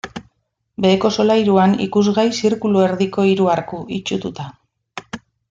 Beheko solairuan, ikusgai zirkulu erdiko hiru arku, itsututa.